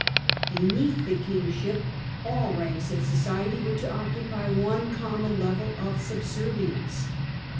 Beneath the Kingship all ranks of society were to occupy one common level of subservience.